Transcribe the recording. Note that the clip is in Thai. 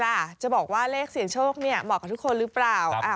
ล่ะจะบอกว่าเลขเสี่ยงโชคเนี่ยเหมาะกับทุกคนหรือเปล่า